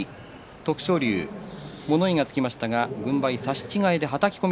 徳勝龍、物言いがつきましたが軍配差し違えではたき込み。